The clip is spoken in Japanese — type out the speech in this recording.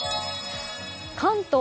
関東